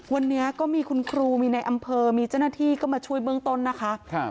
วันนี้ก็มีคุณครูมีในอำเภอมีเจ้าหน้าที่ก็มาช่วยเบื้องต้นนะคะ